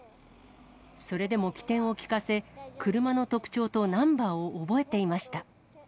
それでも機転を利かせ、車の特徴とナンバーを覚えていました。